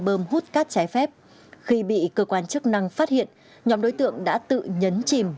bơm hút cát trái phép khi bị cơ quan chức năng phát hiện nhóm đối tượng đã tự nhấn chìm